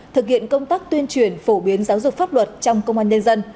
thực hiện công tác tuyên truyền phổ biến giáo dục pháp luật trong công an nhân dân